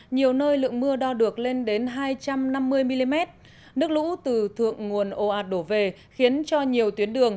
nhiều nơi lượng mưa đo được lên đến hai trăm năm mươi mm nước lũ từ thượng nguồn ồ ạt đổ về khiến cho nhiều tuyến đường